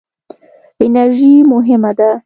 انرژي مهمه ده.